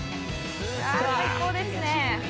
あ最高ですね